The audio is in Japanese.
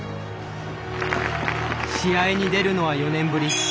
試合に出るのは４年ぶり。